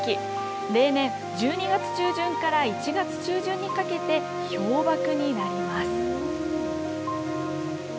例年、１２月中旬から１月中旬にかけて氷瀑になります。